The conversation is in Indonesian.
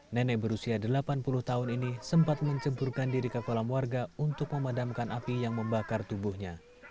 nenek berusia delapan puluh tahun ini sempat menceburkan diri ke kolam warga untuk memadamkan api yang membakar tubuhnya